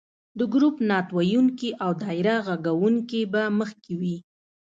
د ګروپ نعت ویونکي او دایره غږونکې به مخکې وي.